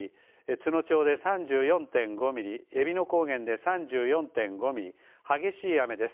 都農町で３４．５ミリえびの高原で３４．５ミリ激しい雨です。